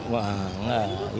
wah nggak gitu